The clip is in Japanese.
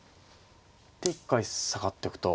で一回下がっておくと。